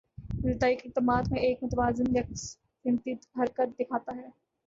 ابتدائی اقدامات میں ایک متوازن یکسمتی حرکت دکھاتا ہے